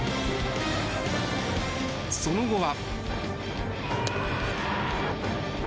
その後は。